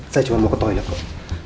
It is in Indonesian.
saya cuma mau ke toilet kok